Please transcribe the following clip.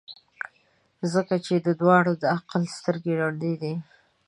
ځکه چي د دواړو د عقل سترګي ړندې دي.